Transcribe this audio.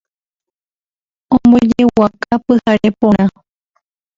Ombojeguaka pyhare porã